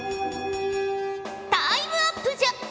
タイムアップじゃ。